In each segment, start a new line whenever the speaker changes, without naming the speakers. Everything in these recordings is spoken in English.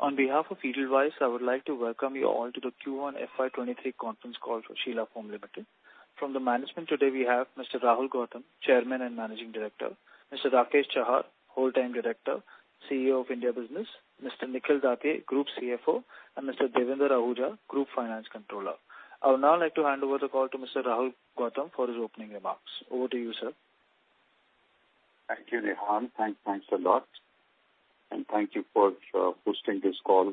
On behalf of Edelweiss, I would like to welcome you all to the Q1 FY23 Conference Call for Sheela Foam Limited. From the management today, we have Mr. Rahul Gautam, Chairman and Managing Director, Mr. Rakesh Chahar, Whole Time Director, CEO of India Business, Mr. Nikhil Datye, Group CFO, and Mr. Devendra Ahuja, Group Finance Controller. I would now like to hand over the call to Mr. Rahul Gautam for his opening remarks. Over to you, sir.
Thank you, Rehan. Thanks a lot, and thank you for hosting this call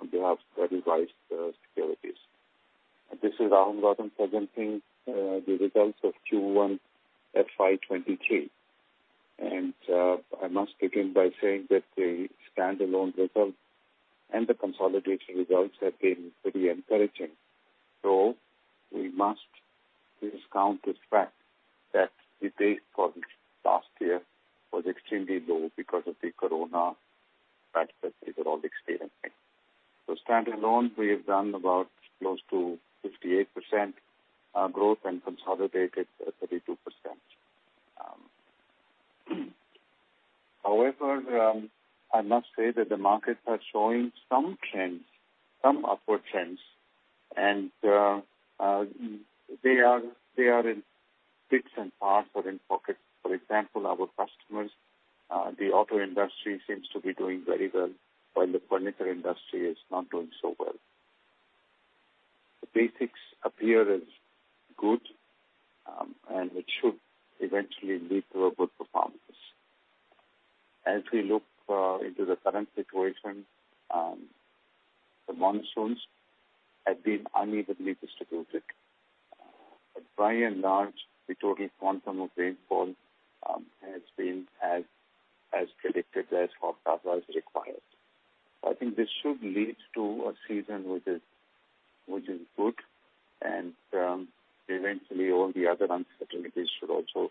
on behalf of Edelweiss Securities. This is Rahul Gautam presenting the results of Q1 FY23. I must begin by saying that the standalone results and the consolidated results have been pretty encouraging, though we must discount the fact that the base for last year was extremely low because of the Corona that we were all experiencing. So standalone, we have done about close to 58% growth and consolidated 32%. However, I must say that the markets are showing some trends, some upward trends, and they are in bits and parts or in pockets. For example, our customers, the auto industry seems to be doing very well, while the furniture industry is not doing so well. The basics appear as good, and it should eventually lead to a good performance. As we look into the current situation, the monsoons have been unevenly distributed. But by and large, the total quantum of rainfall has been as predicted, as hoped, as required. I think this should lead to a season which is good, and eventually all the other uncertainties should also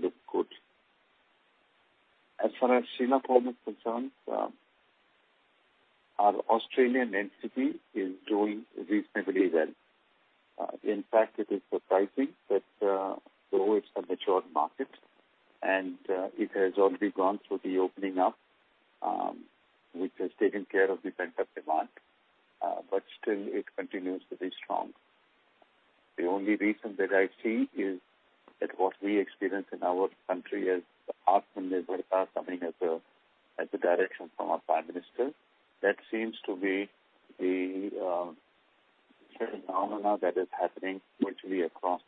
look good. As far as Sheela Foam is concerned, our Australian entity is doing reasonably well. In fact, it is surprising that, though it's a mature market and it has already gone through the opening up, which has taken care of the pent-up demand, but still it continues to be strong. The only reason that I see is that what we experience in our country as Atmanirbharta, coming as a direction from our Prime Minister. That seems to be the phenomena that is happening virtually across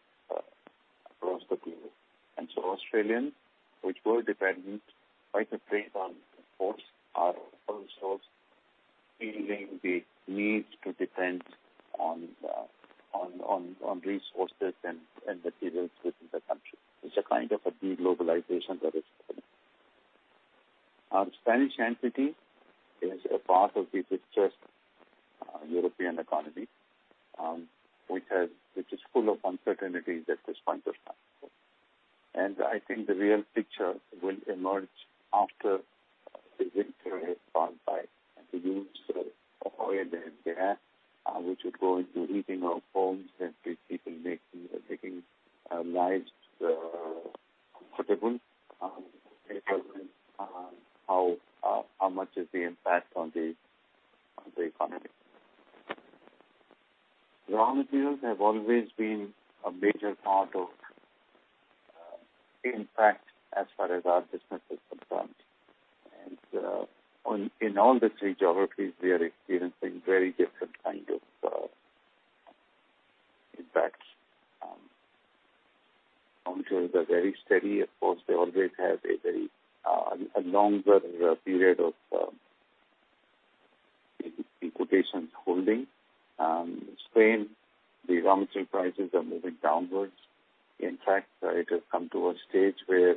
the globe. And so Australia, which were dependent by the trade on ports, are also feeling the need to depend on resources and materials within the country. It's a kind of a de-globalization that is happening. Our Spanish entity is a part of the bigger European economy, which is full of uncertainties at this point of time. I think the real picture will emerge after the winter has gone by, and the use of oil and gas, which would go into heating our homes and people making lives comfortable, how much is the impact on the economy. Raw materials have always been a major part of impact as far as our business is concerned. In all the three geographies, we are experiencing very different kind of impacts. Some shows are very steady. Of course, they always have a very long period of, in quotations, "holding." Spain, the raw material prices are moving downward. In fact, it has come to a stage where,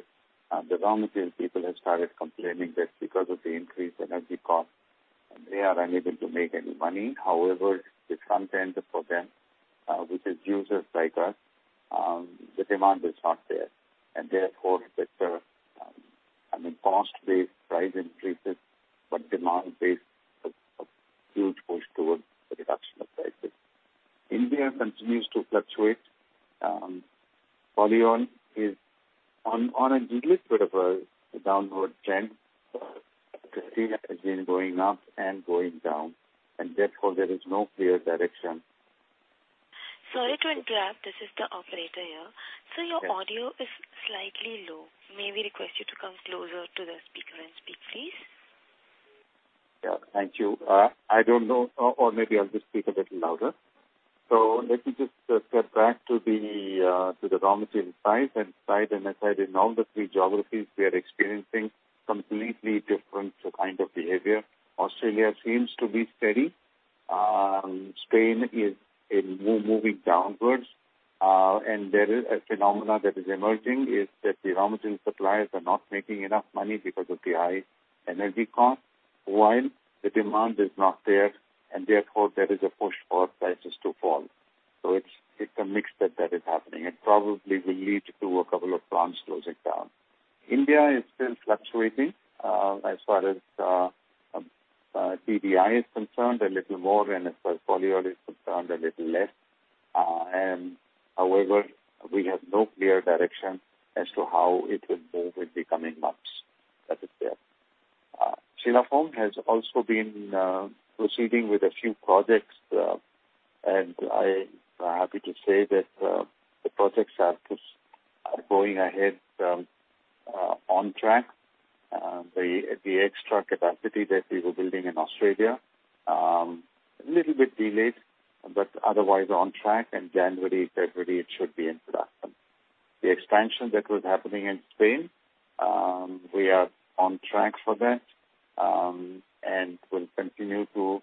the raw material people have started complaining that because of the increased energy cost, they are unable to make any money. However, the front end of the program, which is users like us, the demand is not there, and therefore, there's a, I mean, cost-based price increases, but demand-based, a huge push towards the reduction of prices. India continues to fluctuate. Polyol is on a little bit of a downward trend, but has been going up and going down, and therefore, there is no clear direction.
Sorry to interrupt. This is the operator here.
Yes.
Sir, your audio is slightly low. May we request you to come closer to the speaker and speak, please?
Yeah, thank you. I don't know, or, or maybe I'll just speak a little louder. So let me just get back to the raw material side. And as I said, in all the three geographies, we are experiencing completely different kind of behavior. Australia seems to be steady. Spain is moving downwards, and there is a phenomenon that is emerging, is that the raw material suppliers are not making enough money because of the high energy cost, while the demand is not there, and therefore, there is a push for prices to fall. So it's a mix that is happening. It probably will lead to a couple of plants closing down. India is still fluctuating, as far as TDI is concerned, a little more, and as far as polyol is concerned, a little less. And however, we have no clear direction as to how it will move in the coming months. That is there. Sheela Foam has also been proceeding with a few projects, and I'm happy to say that the projects are just, are going ahead on track. The extra capacity that we were building in Australia, a little bit delayed, but otherwise on track, and January, February, it should be in production. The expansion that was happening in Spain, we are on track for that, and we'll continue to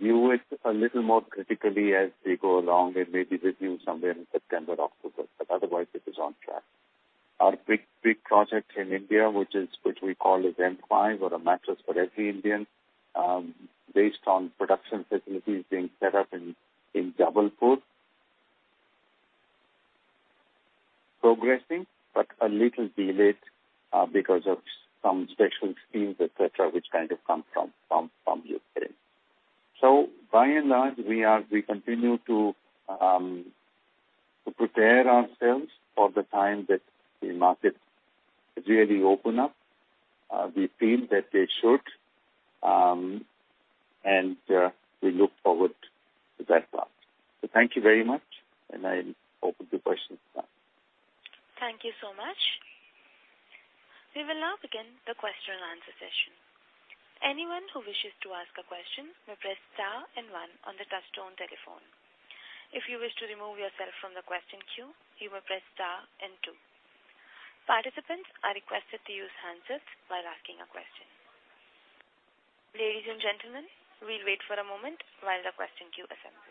view it a little more critically as we go along, and maybe with you somewhere in September, October, but otherwise it is on track. Our big, big project in India, which is, which we call it M5, or a mattress for every Indian, based on production facilities being set up in Jabalpur, progressing, but a little delayed, because of some special skills, et cetera, which kind of come from U.K. So by and large, we are. We continue to prepare ourselves for the time that the markets really open up. We feel that they should, and we look forward to that part. So thank you very much, and I open to questions now.
Thank you so much. We will now begin the question and answer session. Anyone who wishes to ask a question may press star and one on the touchtone telephone. If you wish to remove yourself from the question queue, you may press star and two. Participants are requested to use handsets while asking a question. Ladies and gentlemen, we'll wait for a moment while the question queue assembles.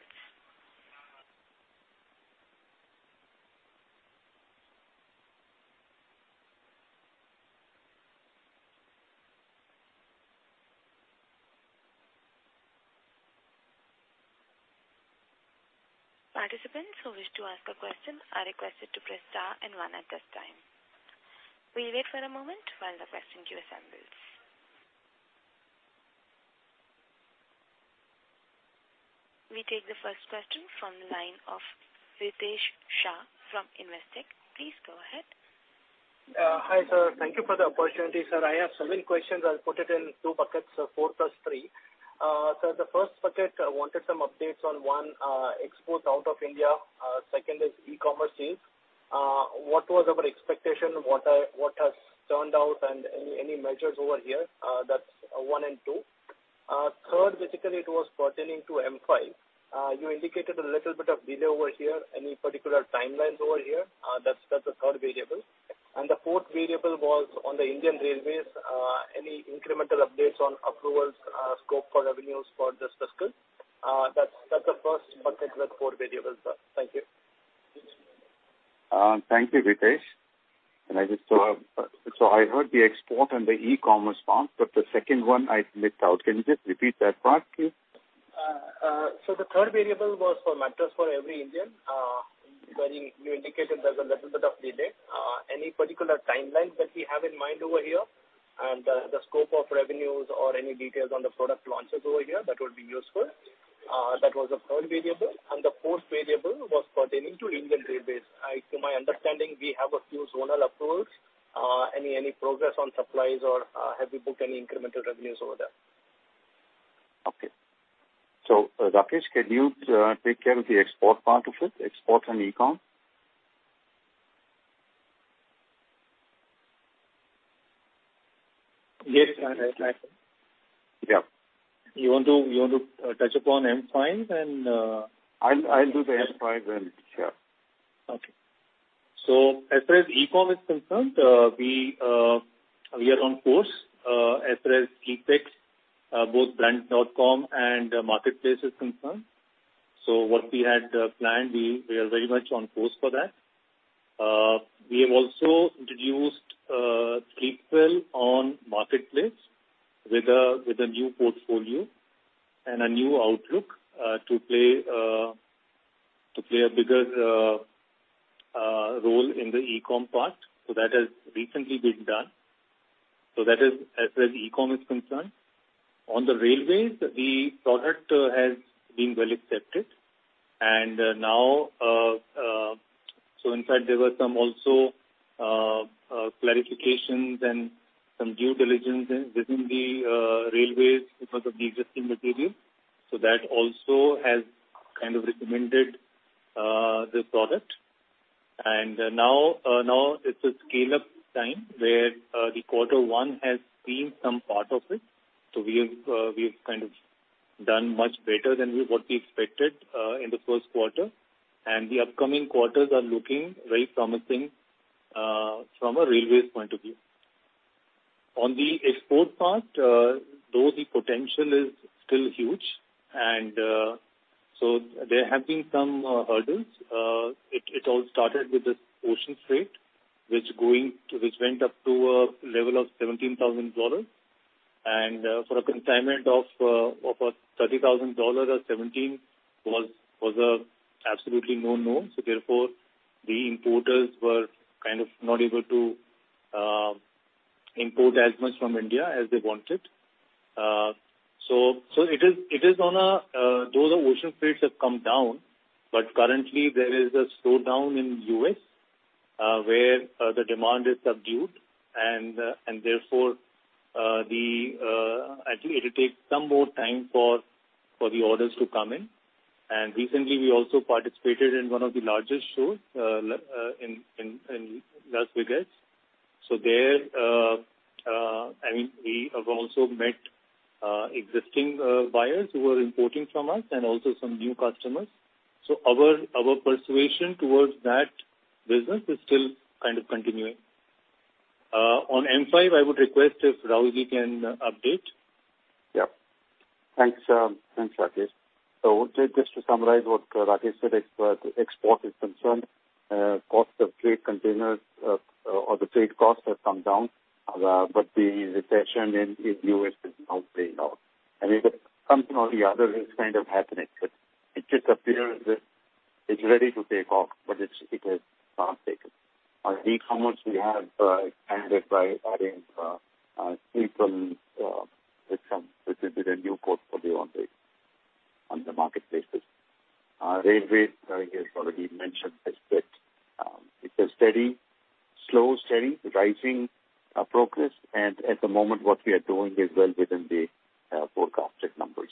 Participants who wish to ask a question are requested to press star and one at this time. We'll wait for a moment while the question queue assembles. We take the first question from the line of Ritesh Shah from Investec. Please go ahead.
Hi, sir. Thank you for the opportunity, sir. I have several questions. I'll put it in two buckets, so 4 + 3. So the first bucket, I wanted some updates on one, exports out of India. Second is e-commerce sales. What was our expectation? What has turned out, and any measures over here? That's one and two. Third, basically, it was pertaining to M5. You indicated a little bit of delay over here. Any particular timelines over here? That's the third variable. The fourth variable was on the Indian Railways. Any incremental updates on approvals, scope for revenues for this fiscal? That's the first bucket, the four variables, sir. Thank you.
Thank you, Ritesh. So I heard the export and the e-commerce part, but the second one I missed out. Can you just repeat that part, please?
So the third variable was for Mattress for Every Indian, where you indicated there's a little bit of delay. Any particular timelines that we have in mind over here, and the scope of revenues or any details on the product launches over here, that would be useful. That was the third variable, and the fourth variable was pertaining to Indian Railways. To my understanding, we have a few zonal approvals. Any progress on supplies or have you booked any incremental revenues over there?
Okay. Rakesh, can you take care of the export part of it, export and e-com?
Yes, I can.
Yeah.
You want to touch upon M5.
I'll do the M5.
Okay. So as far as e-com is concerned, we are on course as far as E-tail, both brand.com and marketplace is concerned. So what we had planned, we are very much on course for that. We have also introduced Sleepwell on marketplace with a new portfolio and a new outlook to play a bigger role in the e-com part. So that has recently been done. So that is as far as e-com is concerned. On the railways, the product has been well accepted. And now, so in fact, there were some also clarifications and some due diligence within the railways because of the existing material. So that also has kind of recommended the product. Now, now it's a scale-up time, where the quarter one has seen some part of it. So we have kind of done much better than what we expected in the first quarter, and the upcoming quarters are looking very promising from a railways point of view. On the export part, though the potential is still huge, and so there have been some hurdles. It all started with the ocean freight, which went up to a level of $17,000. And for a consignment of $30,000 or $17,000 was absolutely no, no. So therefore, the importers were kind of not able to import as much from India as they wanted. So it is on a, those ocean freights have come down, but currently there is a slowdown in US, where the demand is subdued, and therefore, I think it will take some more time for the orders to come in. And recently, we also participated in one of the largest shows in Las Vegas. So there, I mean, we have also met existing buyers who are importing from us and also some new customers. So our persuasion towards that business is still kind of continuing. On M5, I would request if Rahulji can update.
Yeah. Thanks, thanks, Rakesh. So just to summarize what Rakesh said, as far as export is concerned, cost of trade containers, or the trade costs have come down, but the recession in U.S. is now playing out. And if something or the other is kind of happening, but it just appears that it's ready to take off, but it's, it has not taken. On e-commerce, we have expanded by adding Sleepwell, which is a new port for the on the marketplaces. Railway, Rakesh already mentioned as it's a bit, it's a steady, slow, steady rising progress, and at the moment what we are doing is well within the forecasted numbers.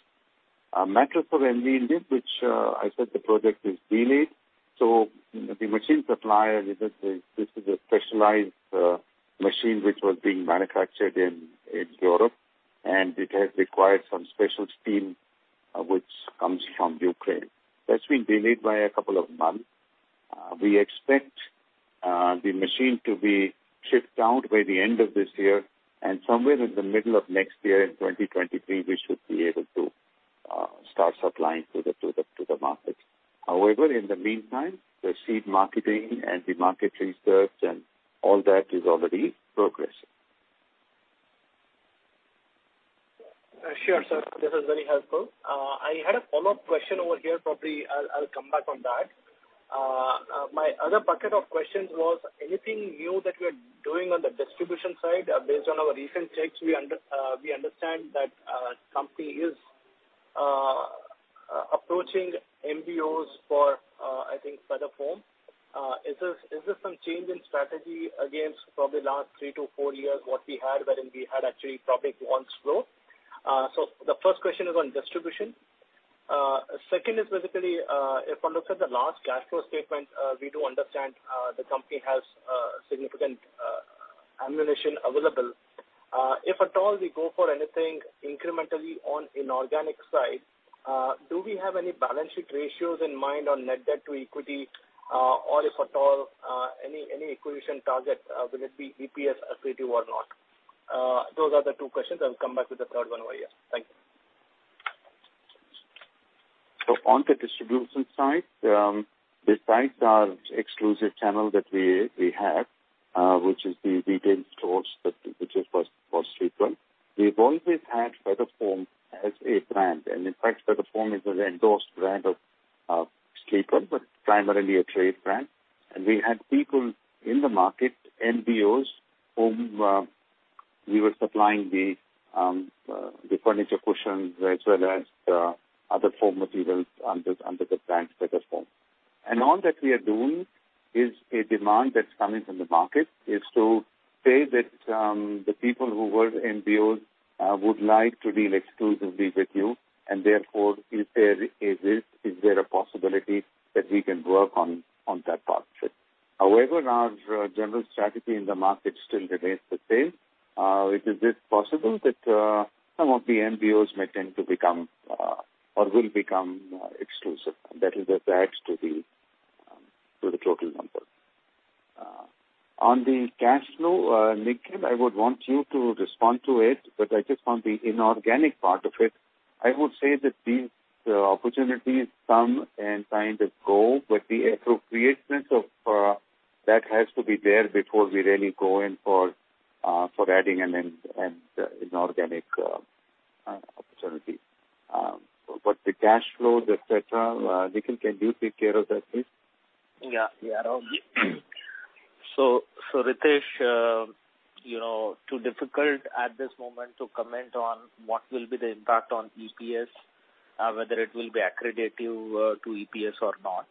M5, which I said the project is delayed. So the machine supplier, this is a, this is a specialized machine which was being manufactured in, in Europe, and it has required some special steam which comes from Ukraine. That's been delayed by a couple of months. We expect the machine to be shipped out by the end of this year, and somewhere in the middle of next year, in 2023, we should be able to start supplying to the, to the, to the market. However, in the meantime, the seed marketing and the market research and all that is already progressing.
Sure, sir, this is very helpful. I had a follow-up question over here. Probably I'll, I'll come back on that. My other bucket of questions was anything new that you are doing on the distribution side? Based on our recent checks, we understand that company is approaching MBOs for, I think, Feather Foam. Is this some change in strategy against from the last three to four years, what we had, wherein we had actually topic once flow? So the first question is on distribution. Second is basically, if one looks at the last cash flow statement, we do understand, the company has significant ammunition available. If at all, we go for anything incrementally on inorganic side, do we have any balance sheet ratios in mind on net debt to equity? Or if at all, any, any acquisition target, will it be EPS accretive or not? Those are the two questions. I'll come back with the third one over here. Thank you.
So on the distribution side, besides our exclusive channel that we have, which is the retail stores, that which is for Sleepwell, we've always had Feather Foam as a brand. And in fact, Feather Foam is an endorsed brand of Sleepwell, but primarily a trade brand. And we had people in the market, MBOs, whom we were supplying the furniture cushions, as well as the other foam materials under the brand Feather Foam. And all that we are doing is a demand that's coming from the market, is to say that the people who were MBOs would like to deal exclusively with you, and therefore, is there a risk, is there a possibility that we can work on that partnership? However, our general strategy in the market still remains the same. It is just possible that some of the MBOs may tend to become or will become exclusive, and that is what adds to the total number. On the cash flow, Nikhil, I would want you to respond to it, but I just want the inorganic part of it. I would say that these opportunities come and kind of go, but the appropriateness of that has to be there before we really go in for adding an inorganic opportunity. But the cash flows, et cetera, Nikhil, can you take care of that, please?
Yeah, yeah. So, so Ritesh, you know, too difficult at this moment to comment on what will be the impact on EPS, whether it will be accretive to EPS or not.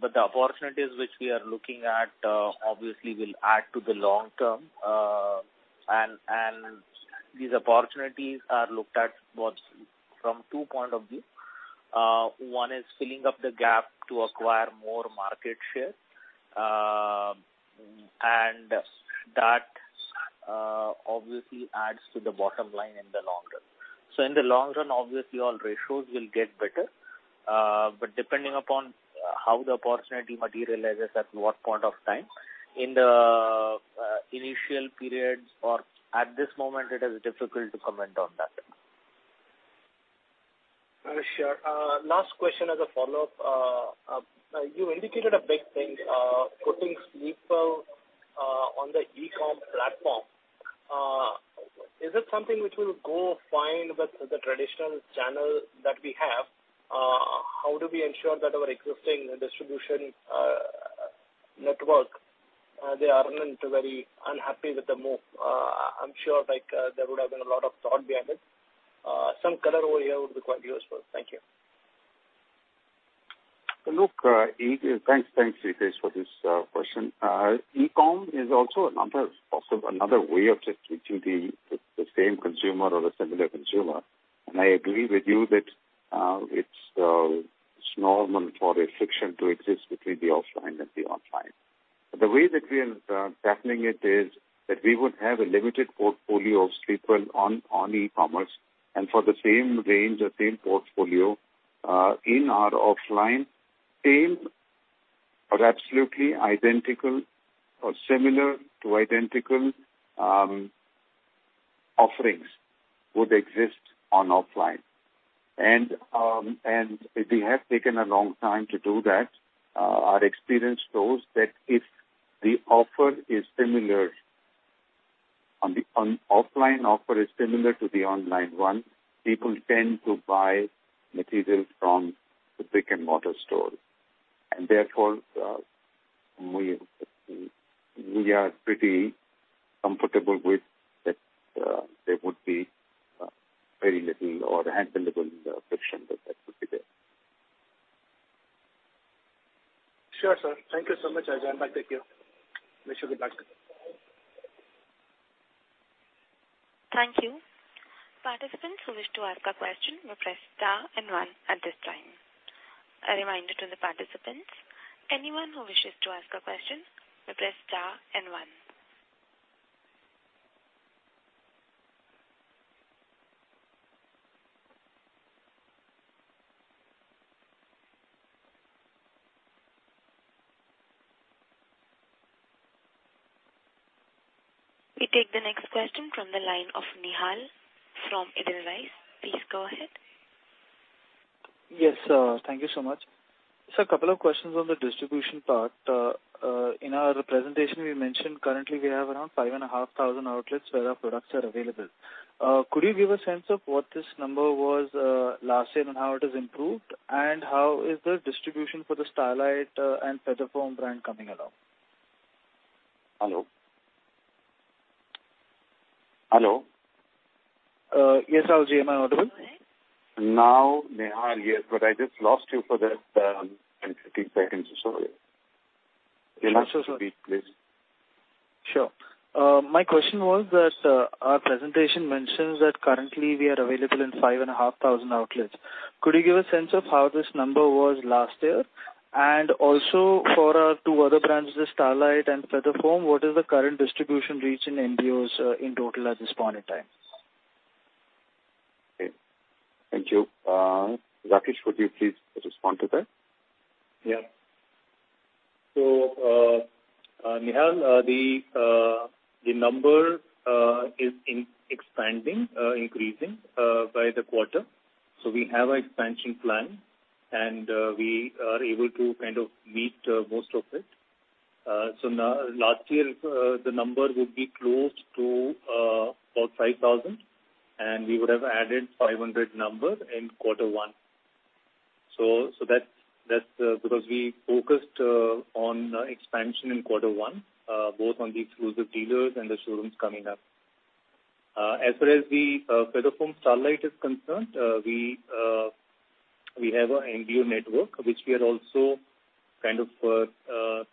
But the opportunities which we are looking at, obviously, will add to the long term. And, and these opportunities are looked at both from two point of view. One is filling up the gap to acquire more market share, and that, obviously adds to the bottom line in the long run. So in the long run, obviously, all ratios will get better, but depending upon how the opportunity materializes, at what point of time, in the initial periods or at this moment, it is difficult to comment on that.
Sure. Last question as a follow-up. You indicated a big thing, putting Sleepwell on the e-com platform. Is it something which will go fine with the traditional channel that we have? How do we ensure that our existing distribution network they aren't very unhappy with the move? I'm sure, like, there would have been a lot of thought behind it. Some color over here would be quite useful. Thank you.
Look, thanks, thanks, Ritesh, for this question. E-com is also another way of just reaching the same consumer or a similar consumer. And I agree with you that it's normal for a friction to exist between the offline and the online. The way that we are tackling it is that we would have a limited portfolio of Sleepwell on e-commerce, and for the same range or same portfolio, in our offline same or absolutely identical or similar to identical offerings would exist on offline. And we have taken a long time to do that. Our experience shows that if the offer is similar on the offline offer is similar to the online one, people tend to buy materials from the brick-and-mortar store. Therefore, we are pretty comfortable with that. There would be very little or handleable friction that would be there.
Sure, sir. Thank you so much, Ajay. Thank you. Wish you good luck.
Thank you. Participants who wish to ask a question may press star and one at this time. A reminder to the participants, anyone who wishes to ask a question, may press star and one. We take the next question from the line of Nihal from Edelweiss. Please, go ahead.
Yes, thank you so much. So a couple of questions on the distribution part. In our presentation, we mentioned currently we have around 5,500 outlets where our products are available. Could you give a sense of what this number was last year and how it has improved? And how is the distribution for the Starlite and Feather Foam brand coming along?
Hello? Hello.
Yes, RJ. Am I audible?
Now, Nihal, yes, but I just lost you for that, 10, 15 seconds or so. You'll have to speak, please.
Sure. My question was that our presentation mentions that currently we are available in 5,500 outlets. Could you give a sense of how this number was last year? And also for our two other brands, the Starlite and Feather Foam, what is the current distribution reach in MBOs, in total at this point in time?
Okay. Thank you. Rakesh, would you please respond to that?
Yeah. So, Nihal, the number is expanding, increasing by the quarter. So we have an expansion plan, and we are able to kind of meet most of it. So now, last year, the number would be close to about 5,000, and we would have added 500 number in quarter one. So that's because we focused on expansion in quarter one, both on the exclusive dealers and the showrooms coming up. As far as the Feather Foam Starlite is concerned, we have an MBO network, which we are also kind of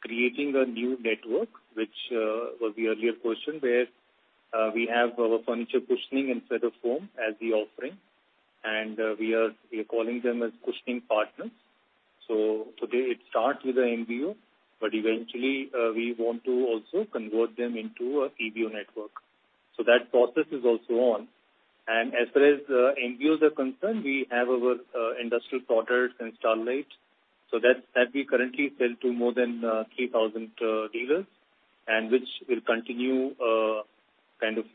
creating a new network, which was the earlier question, where we have our furniture cushioning and Feather Foam as the offering, and we are calling them as cushioning partners. So today it starts with the MBO, but eventually, we want to also convert them into a PBO network. So that process is also on. And as far as MBOs are concerned, we have our industrial products in Starlite, so that we currently sell to more than 3,000 dealers, and which will continue kind of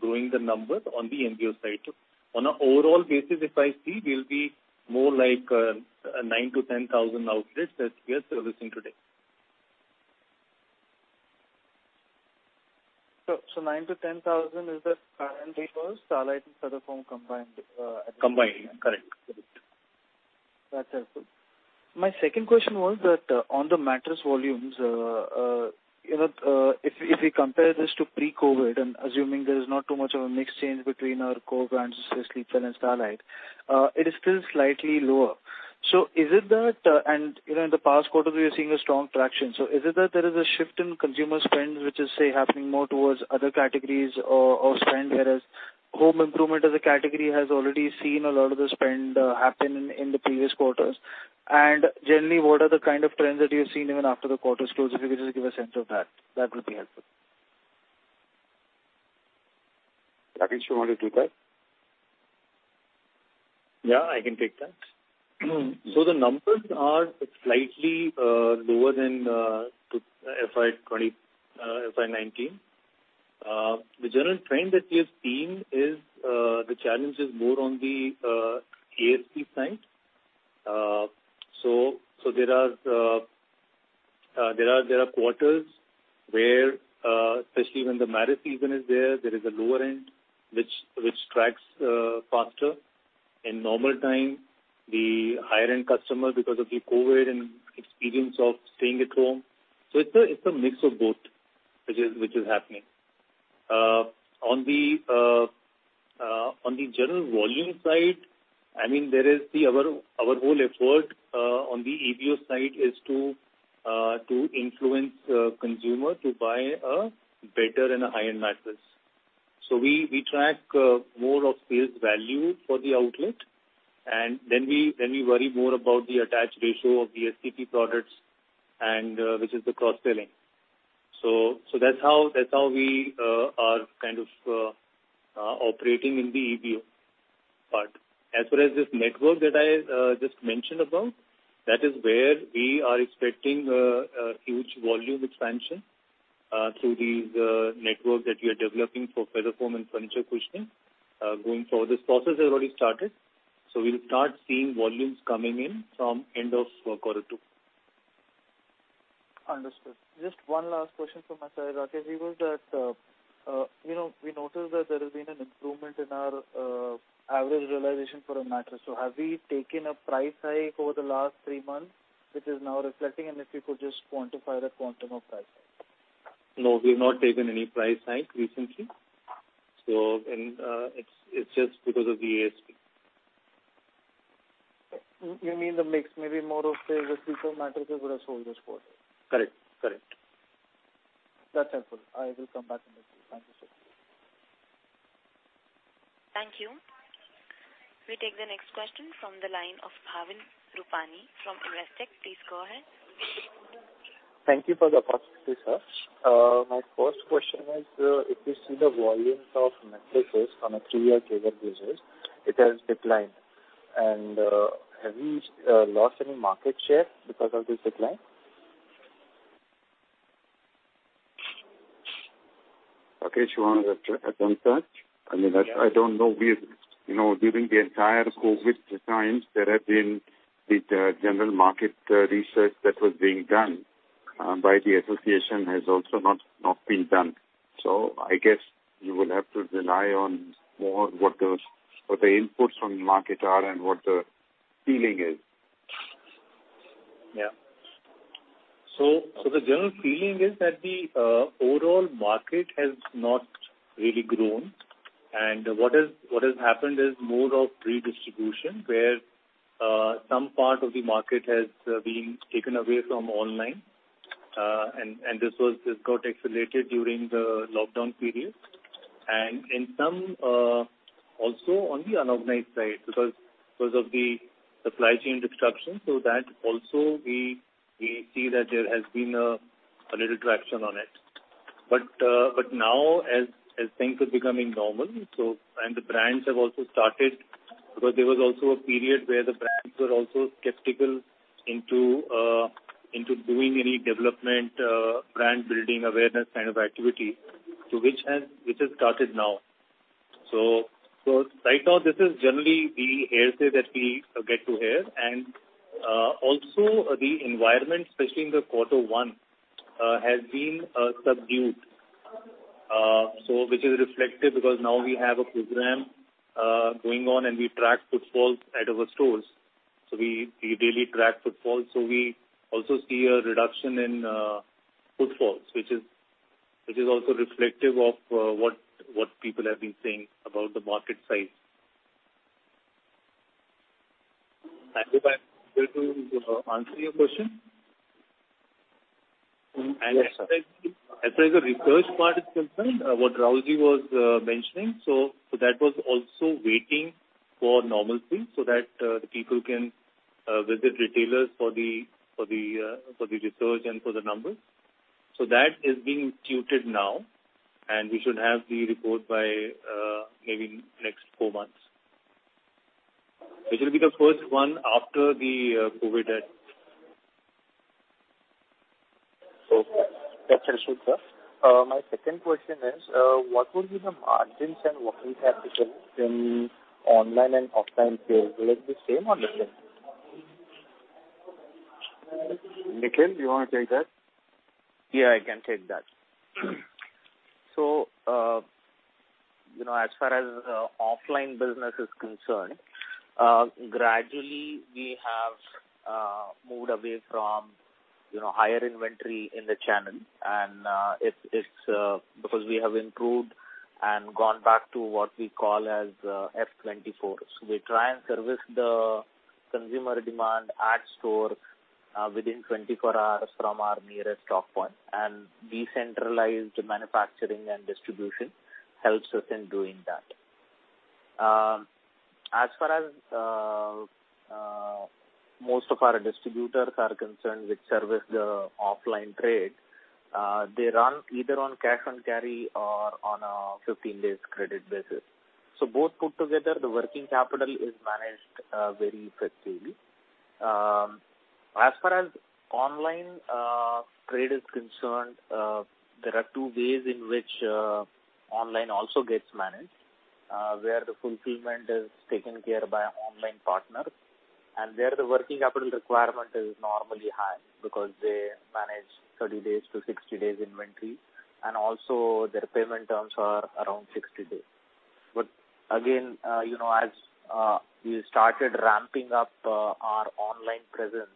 growing the number on the MBO side too. On an overall basis, if I see, we'll be more like 9,000-10,000 outlets that we are servicing today.
So, 9,000-10,000 is the current figure for Starlite and Feather Foam combined.
Combined, correct. Correct.
That's helpful. My second question was that, on the mattress volumes, you know, if we, if we compare this to pre-COVID, and assuming there is not too much of a mix change between our core brands, Sleepwell and Starlite, it is still slightly lower. And, you know, in the past quarter, we are seeing a strong traction. So is it that there is a shift in consumer spend, which is, say, happening more towards other categories or, or spend, whereas home improvement as a category has already seen a lot of the spend, happen in the previous quarters? And generally, what are the kind of trends that you're seeing even after the quarter is closed? If you could just give a sense of that, that would be helpful.
Rakesh, you want to take that?
Yeah, I can take that. So the numbers are slightly lower than to FY 2020, FY 2019. The general trend that we have seen is the challenge is more on the ASP side. So there are quarters where, especially when the marriage season is there, there is a lower end which tracks faster. In normal time, the higher end customer because of the COVID and experience of staying at home. So it's a mix of both, which is happening. On the general volume side, I mean, there is our whole effort on the EBO side is to influence consumer to buy a better and a higher mattress. So we track more of sales value for the outlet, and then we worry more about the attached ratio of the STP products and which is the cross-selling. So that's how we are kind of operating in the EBO. But as far as this network that I just mentioned about, that is where we are expecting a huge volume expansion through these networks that we are developing for Feather Foam and furniture cushioning going forward. This process has already started, so we'll start seeing volumes coming in from end of quarter two.
Understood. Just one last question from my side, Rakesh, is that, you know, we noticed that there has been an improvement in our average realization for a mattress. So have we taken a price hike over the last three months, which is now reflecting? And if you could just quantify that quantum of price?
No, we've not taken any price hike recently. So, it's just because of the ASP.
You mean the mix, maybe more of the feather mattresses were sold this quarter?
Correct. Correct.
That's helpful. I will come back on this. Thank you, sir.
Thank you. We take the next question from the line of Bhavin Rupani from Emkay. Please go ahead.
Thank you for the opportunity, sir. My first question is, if you see the volumes of mattresses on a three-year basis, it has declined. Have we lost any market share because of this decline?
Rakesh, you want to attempt that? I mean, I, I don't know. During the entire COVID times, there have been the general market research that was being done by the association has also not, not been done. So I guess you will have to rely on more what those, what the inputs from the market are and what the feeling is.
Yeah. So, so the general feeling is that the overall market has not really grown. And what is, what has happened is more of redistribution, where some part of the market has been taken away from online. And, and this was, this got accelerated during the lockdown period. And in some also on the organized side, because of the supply chain disruptions, so that also we, we see that there has been a, a little traction on it. But now as things are becoming normal, so, and the brands have also started, because there was also a period where the brands were also skeptical into into doing any development, brand building awareness kind of activity, which has started now. So, so right now, this is generally the hearsay that we get to hear. Also the environment, especially in quarter one, has been subdued. So which is reflective, because now we have a program going on, and we track footfalls at our stores. So we, we daily track footfalls, so we also see a reduction in footfalls, which is, which is also reflective of what, what people have been saying about the market size. I hope I was able to answer your question.
Yes, sir.
As far as the research part is concerned, what Rahulji was mentioning, so that was also waiting for normalcy so that the people can visit retailers for the research and for the numbers. So that is being instituted now, and we should have the report by maybe next four months. Which will be the first one after the COVID.
That's useful, sir. My second question is, what will be the margins and working capital in online and offline sales? Will it be same or different?
Nikhil, do you want to take that?
Yeah, I can take that. So, you know, as far as offline business is concerned, gradually we have moved away from, you know, higher inventory in the channel. It's because we have improved and gone back to what we call as F 24. So we try and service the consumer demand at store within 24 hours from our nearest stock point. Decentralized manufacturing and distribution helps us in doing that. As far as most of our distributors are concerned, which service the offline trade, they run either on cash and carry or on a 15 days credit basis. So both put together, the working capital is managed very effectively. As far as online trade is concerned, there are two ways in which online also gets managed. where the fulfillment is taken care by an online partner, and where the working capital requirement is normally high because they manage 30-60 days inventory, and also their payment terms are around 60 days. But again, you know, as we started ramping up our online presence,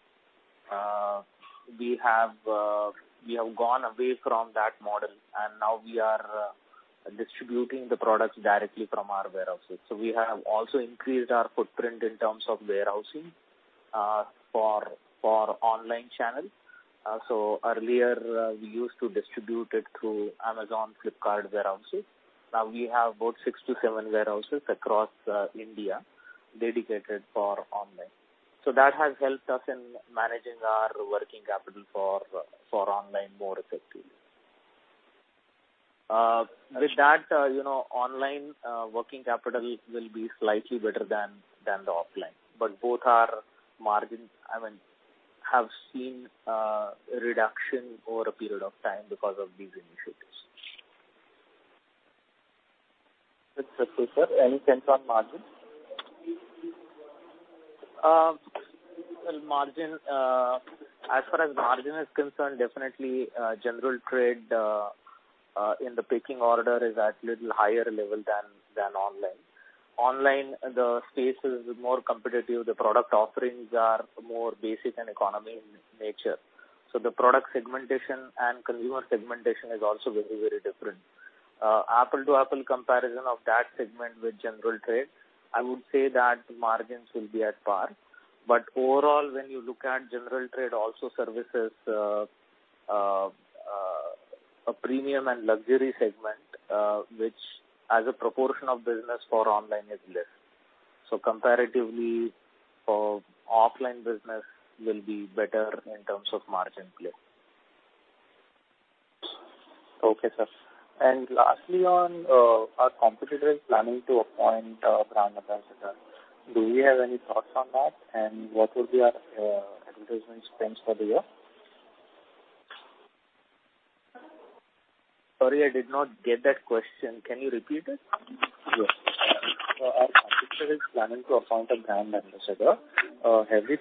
we have gone away from that model, and now we are distributing the products directly from our warehouses. So we have also increased our footprint in terms of warehousing for online channel. So earlier, we used to distribute it through Amazon, Flipkart warehouses. Now we have about 6-7 warehouses across India, dedicated for online. So that has helped us in managing our working capital for online more effectively. With that, you know, online working capital will be slightly better than the offline, but both our margins, I mean, have seen a reduction over a period of time because of these initiatives.
That's okay, sir. Any sense on margins?
Well, margin, as far as margin is concerned, definitely, general trade, in the picking order is at little higher level than online. Online, the space is more competitive. The product offerings are more basic and economy in nature. So the product segmentation and consumer segmentation is also very, very different. Apple-to-apple comparison of that segment with general trade, I would say that margins will be at par. But overall, when you look at general trade also services, a premium and luxury segment, which as a proportion of business for online is less. So comparatively, offline business will be better in terms of margin play.
Okay, sir. And lastly, on, our competitor is planning to appoint a brand ambassador. Do we have any thoughts on that? And what will be our, advertisement spends for the year?
Sorry, I did not get that question. Can you repeat it?
Sure. So our competitor is planning to appoint a brand ambassador. Have we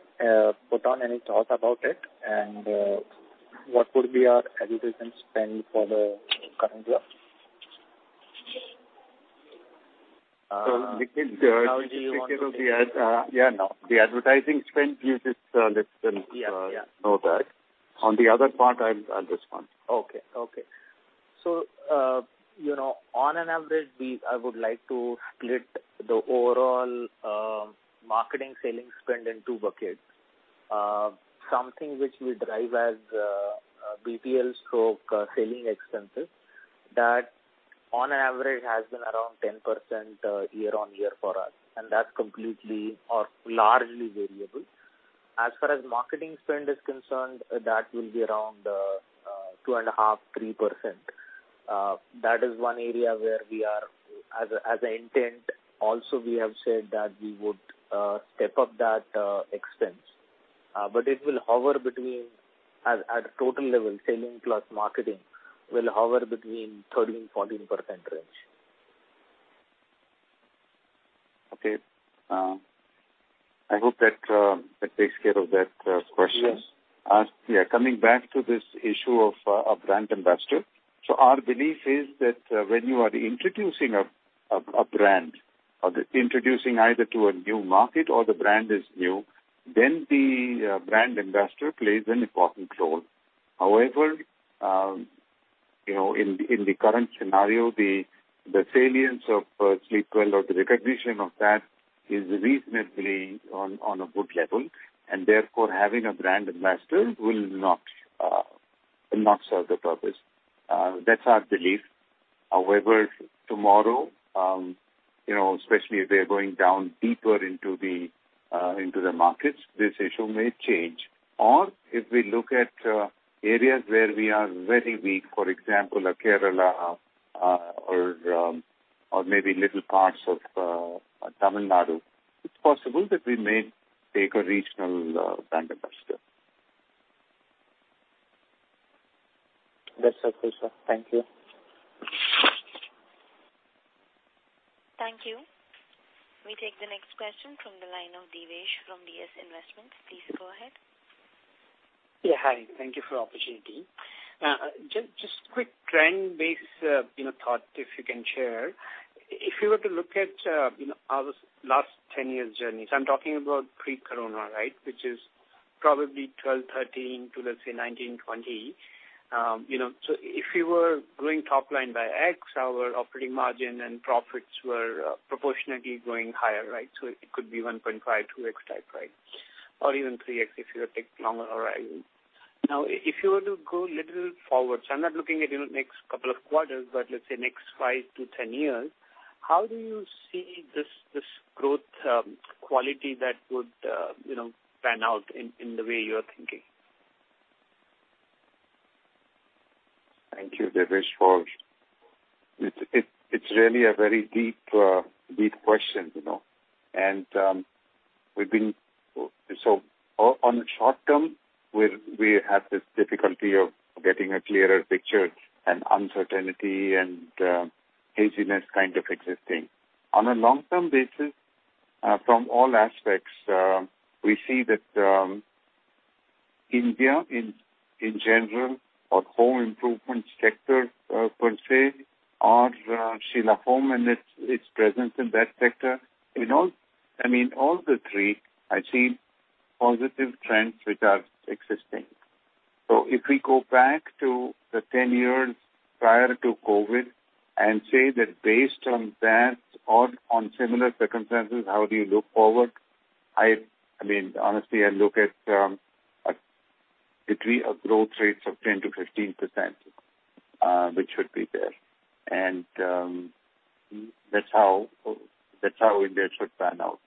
put on any thought about it? And what would be our advertisement spend for the current year?
Nikhil, take care of the advertising spend know that. On the other part I'll respond.
How would you want to. Okay, okay. So, you know, on an average, we, I would like to split the overall, marketing selling spend in two buckets. Something which we derive as, P&L slash, selling expenses, that on average has been around 10%, year-on-year for us, and that's completely or largely variable. As far as marketing spend is concerned, that will be around, two and a half, 3%. That is one area where we are, as a, as an intent, also we have said that we would, step up that, expense. But it will hover between at a total level, selling plus marketing, will hover between 13%-14% range.
Okay. I hope that takes care of that question.
Yes.
Yeah, coming back to this issue of a brand ambassador. So our belief is that when you are introducing a brand, or introducing either to a new market or the brand is new, then the brand ambassador plays an important role. However, you know, in the current scenario, the salience of Sleepwell or the recognition of that is reasonably on a good level, and therefore, having a brand ambassador will not serve the purpose. That's our belief. However, tomorrow, you know, especially if we are going down deeper into the markets, this issue may change. Or if we look at areas where we are very weak, for example, in Kerala or maybe little parts of Tamil Nadu, it's possible that we may take a regional brand ambassador.
That's okay, sir. Thank you.
Thank you. We take the next question from the line of Devesh from D S Investments. Please go ahead.
Yeah, hi. Thank you for the opportunity. Just quick trend-based, you know, thought, if you can share. If you were to look at, you know, our last 10 years journey, so I'm talking about pre-corona, right, which is probably 2012, 2013 to, let's say, 2019, 2020. You know, so if we were growing top line by X, our operating margin and profits were proportionately growing higher, right? So it could be 1.5, 2X type, right? Or even 3X, if you take longer horizon. Now, if you were to go a little forward, so I'm not looking at, you know, next couple of quarters, but let's say next 5-10 years, how do you see this growth quality that would, you know, pan out in the way you are thinking?
Thank you, Devesh. It's really a very deep question, you know, so on the short term, we have this difficulty of getting a clearer picture and uncertainty and haziness kind of existing. On a long-term basis, from all aspects, we see that India in general, our home improvements sector per se, our Sheela Foam and its presence in that sector, in all—I mean, all the three, I see positive trends which are existing. So if we go back to the 10 years prior to COVID and say that based on that or on similar circumstances, how do you look forward? I mean, honestly, I look at a degree of growth rates of 10%-15%, which should be there. That's how, that's how India should pan out.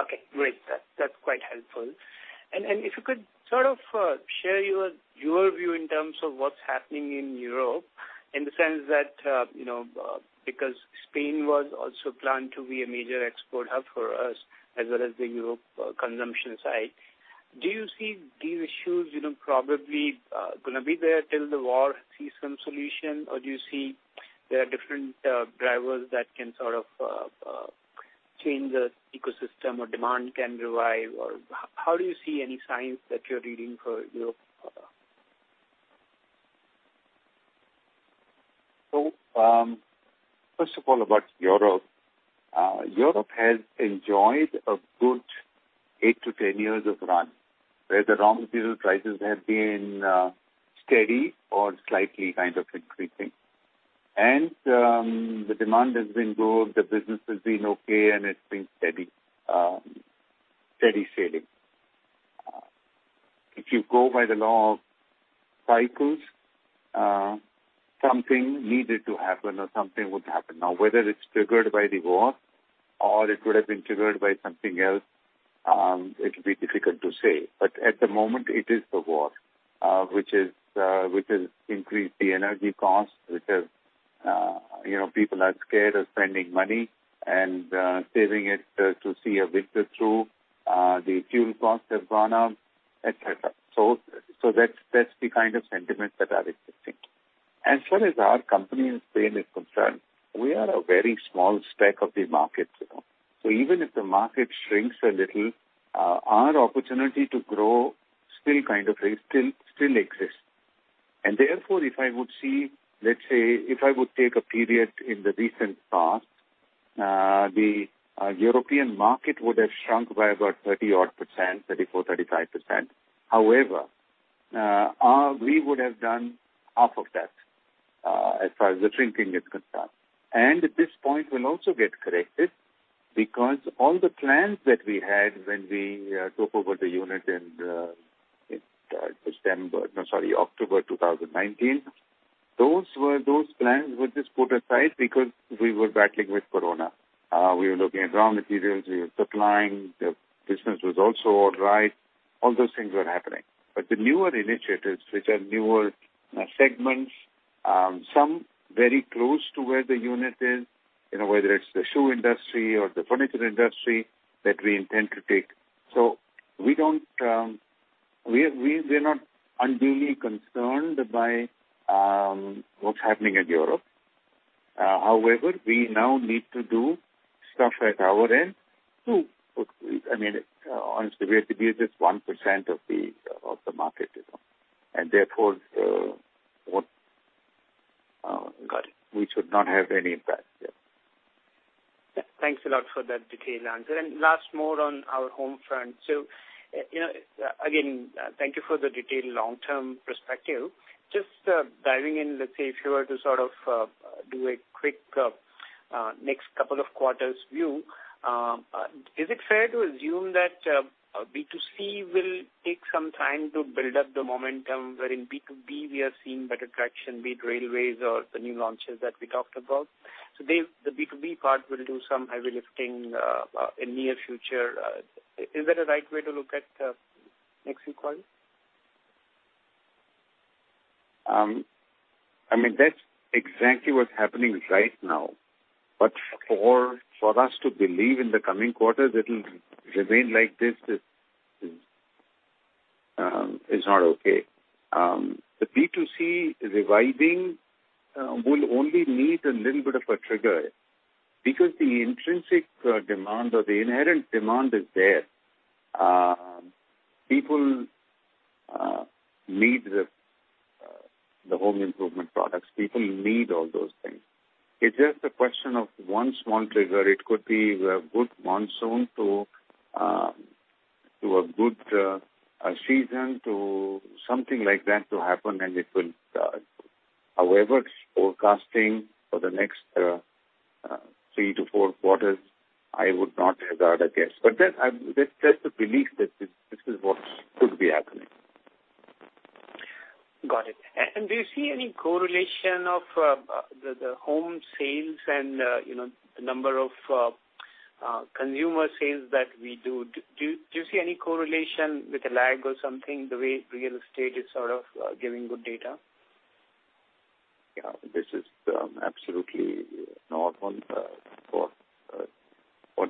Okay, great. That's, that's quite helpful. And, and if you could sort of, share your, your view in terms of what's happening in Europe, in the sense that, you know, because Spain was also planned to be a major export hub for us as well as the Europe, consumption side. Do you see these issues, you know, probably, gonna be there till the war sees some solution? Or do you see there are different, drivers that can sort of, change the ecosystem or demand can revive? Or h-how do you see any signs that you're reading for Europe?
So, first of all, about Europe. Europe has enjoyed a good 8-10 years of run, where the raw material prices have been steady or slightly kind of increasing. The demand has been good, the business has been okay, and it's been steady sailing. If you go by the law of cycles, something needed to happen or something would happen. Now, whether it's triggered by the war or it would have been triggered by something else, it'll be difficult to say. But at the moment, it is the war which has increased the energy costs, which has, you know, people are scared of spending money and saving it to see a winter through. The fuel costs have gone up, et cetera. So that's the kind of sentiment that are existing. As far as our company in Spain is concerned, we are a very small speck of the market, you know? So even if the market shrinks a little, our opportunity to grow still kind of still exists. And therefore, if I would see, let's say, if I would take a period in the recent past, the European market would have shrunk by about 30-odd%, 34%-35%. However, our, we would have done half of that, as far as the shrinking is concerned. And at this point will also get corrected because all the plans that we had when we took over the unit in December, no, sorry, October 2019, those were, those plans were just put aside because we were battling with Corona. We were looking at raw materials, we were supplying, the business was also all right. All those things were happening. But the newer initiatives, which are newer, segments, some very close to where the unit is, you know, whether it's the shoe industry or the furniture industry that we intend to take. So we don't, we're not unduly concerned by, what's happening in Europe. However, we now need to do stuff at our end to, I mean, honestly, we have to be just 1% of the, of the market, you know? And therefore, we should not have any impact, yeah.
Thanks a lot for that detailed answer. Last, more on our home front. So, you know, again, thank you for the detailed long-term perspective. Just diving in, let's say if you were to sort of do a quick next couple of quarters view, is it fair to assume that B2C will take some time to build up the momentum, wherein B2B, we are seeing better traction, be it railways or the new launches that we talked about? So the B2B part will do some heavy lifting in near future. Is that a right way to look at next few quarters?
I mean, that's exactly what's happening right now. But for, for us to believe in the coming quarters, it'll remain like this is, is not okay. The B2C reviving will only need a little bit of a trigger because the intrinsic demand or the inherent demand is there. People need the, the home improvement products. People need all those things. It's just a question of one small trigger. It could be a good monsoon to, to a good season to something like that to happen. However, forecasting for the next 3-4 quarters, I would not regard a guess. But then, that's just a belief that this, this is what could be happening.
Got it. And do you see any correlation of the home sales and, you know, the number of consumer sales that we do? Do you see any correlation with a lag or something, the way real estate is sort of giving good data?
This is absolutely normal for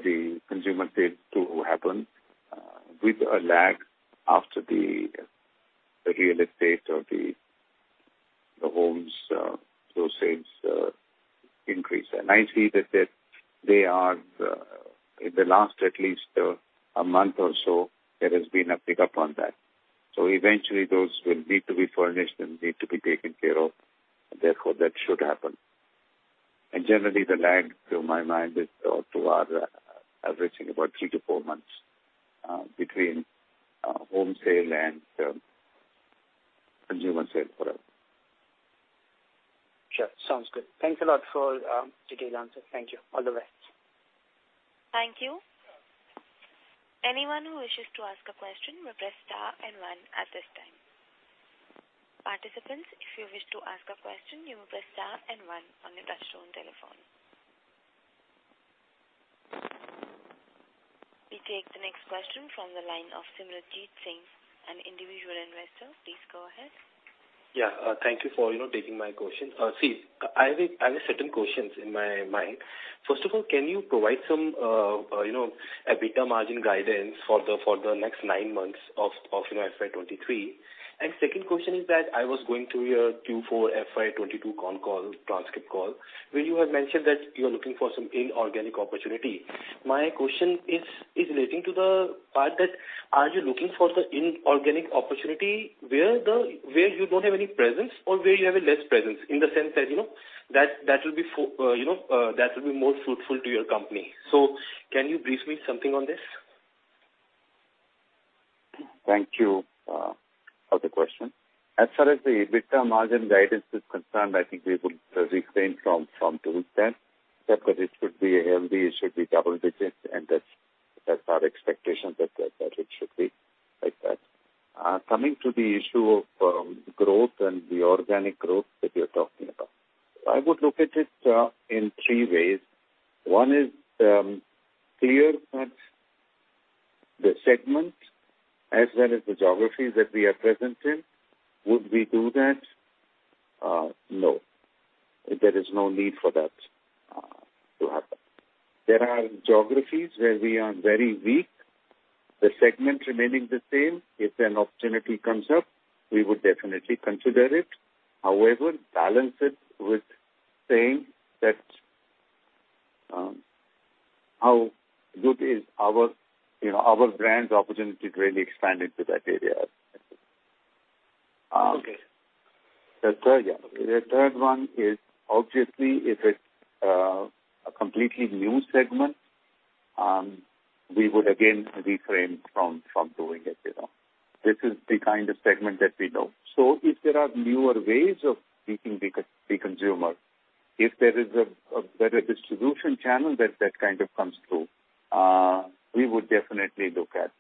the consumer sales to happen with a lag after the real estate or the homes, those sales increase. And I see that they are in the last at least a month or so, there has been a pickup on that. So eventually those will need to be furnished and need to be taken care of, therefore, that should happen. And generally, the lag to my mind is averaging about 3-4 months between home sale and consumer sale product.
Sure, sounds good. Thanks a lot for detailed answers. Thank you. All the best.
Thank you. Anyone who wishes to ask a question, may press star and one at this time. Participants, if you wish to ask a question, you may press star and one on your touchtone telephone. We take the next question from the line of Simrandeep Singh, an individual investor. Please go ahead.
Yeah, thank you for, you know, taking my question. See, I have, I have certain questions in my mind. First of all, can you provide some, you know, EBITDA margin guidance for the next nine months of, you know, FY 2023? And second question is that I was going through your Q4 FY 2022 conference call transcript, where you had mentioned that you are looking for some inorganic opportunity. My question is relating to the part that, are you looking for the inorganic opportunity where you don't have any presence or where you have a less presence, in the sense that, you know, that, that will be for, you know, that will be more fruitful to your company. So can you brief me something on this?
Thank you for the question. As far as the EBITDA margin guidance is concerned, I think we would refrain from doing that, except that it should be healthy, it should be double digits, and that's our expectation that it should be like that. Coming to the issue of growth and the organic growth that you're talking about, I would look at it in three ways. One is clear that the segment as well as the geographies that we are present in, would we do that? No. There is no need for that to happen. There are geographies where we are very weak. The segment remaining the same, if an opportunity comes up, we would definitely consider it. However, balance it with saying that, how good is our, you know, our brand's opportunity to really expand into that area?
Okay.
The third, yeah. The third one is, obviously, if it's a completely new segment, we would again refrain from doing it at all. This is the kind of segment that we know. So if there are newer ways of reaching the consumer, if there is a better distribution channel that kind of comes through, we would definitely look at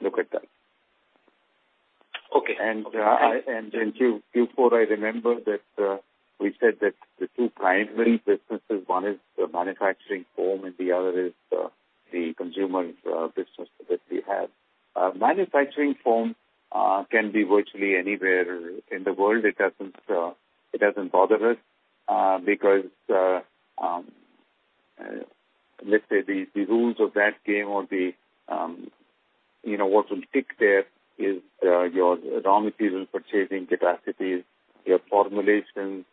that.
Okay.
In Q4, I remember that we said that the two primary businesses, one is the manufacturing foam, and the other is the consumer business that we have. Manufacturing foam can be virtually anywhere in the world. It doesn't bother us because let's say the rules of that game or you know what will tick there is your raw material purchasing capacities, your formulations,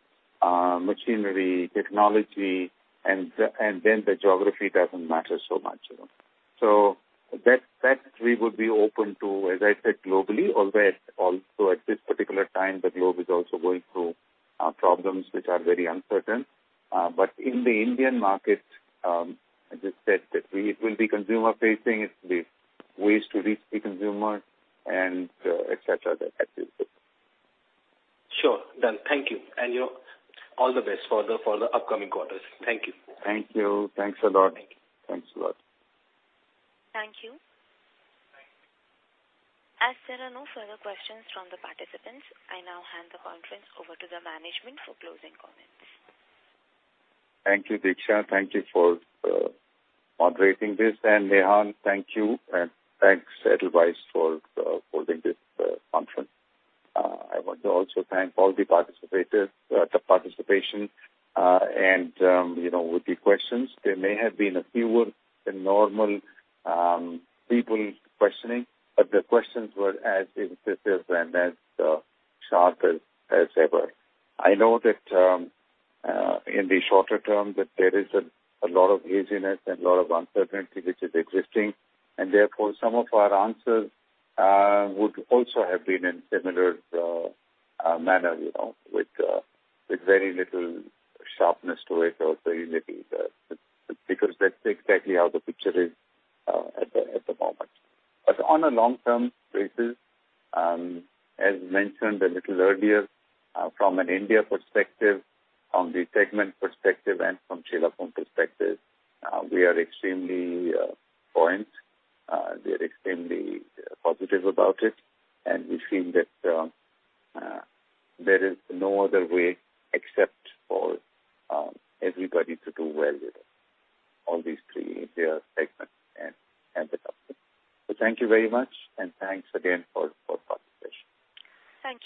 machinery, technology, and then the geography doesn't matter so much. That we would be open to, as I said, globally, although also at this particular time, the globe is also going through problems which are very uncertain. But in the Indian market, I just said that it will be consumer facing. It's the ways to reach the consumer and et cetera. That is it.
Sure, done. Thank you. All the best for the upcoming quarters. Thank you.
Thank you. Thanks a lot.
Thank you.
Thanks a lot.
Thank you.
Thank you.
As there are no further questions from the participants, I now hand the conference over to the management for closing comments.
Thank you, Deeksha. Thank you for moderating this. And Nihal, thank you, and thanks, Edelweiss, for holding this conference. I want to also thank all the participators, the participation, and you know, with the questions. There may have been fewer than normal people questioning, but the questions were as incisive and as sharp as ever. I know that in the shorter term, that there is a lot of haziness and a lot of uncertainty which is existing, and therefore, some of our answers would also have been in similar manner, you know, with very little sharpness to it or very little because that's exactly how the picture is at the moment. But on a long-term basis, as mentioned a little earlier, from an India perspective, from the segment perspective, and from Sheela Foam perspective, we are extremely buoyant. We are extremely positive about it, and we feel that there is no other way except for everybody to do well with all these three India segments and the company. So thank you very much, and thanks again for participation.
Thank you.